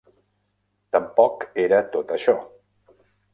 Tampoc era tot això.